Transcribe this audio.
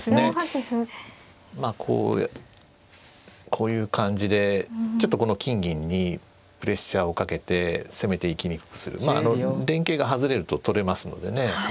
まあこういう感じでちょっとこの金銀にプレッシャーをかけて攻めていきにくくするまああの連携が外れると取れますのでね。